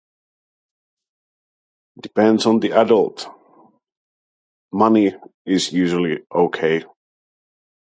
depends on the adult money is usually ok